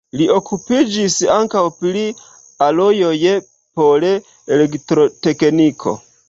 Li okupiĝis ankaŭ pri alojoj por elektrotekniko.